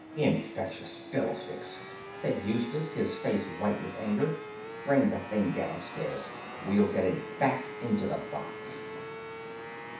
"Infectious fiddlesticks!" said Eustace, his face white with anger; "bring the thing downstairs. We'll get it back into the box."